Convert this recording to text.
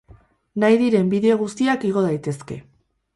Nahi diren bideo guztiak igo daitezke.